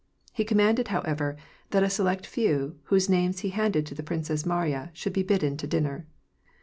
He commanded, however, that a select few, whose names he handed the Princess Mariya, should be bidden to dinner.